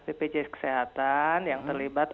bpj kesehatan yang terlibat